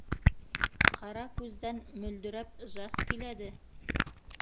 Ҡара күздән мөлдөрәп жас киләде...